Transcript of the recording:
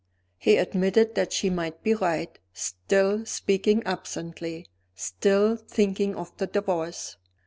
He admitted that she might be right; still speaking absently, still thinking of the Divorce.